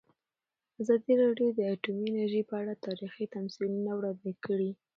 ازادي راډیو د اټومي انرژي په اړه تاریخي تمثیلونه وړاندې کړي.